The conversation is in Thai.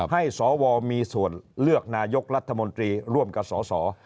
สวมีส่วนเลือกนายกรัฐมนตรีร่วมกับสส